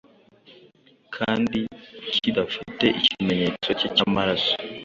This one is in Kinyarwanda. kandi kidafite ikimenyetso cye cyamaraso.